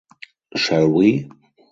Shall We?